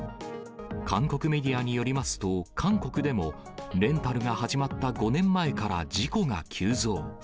韓国メディアによりますと、韓国でもレンタルが始まった５年前から事故が急増。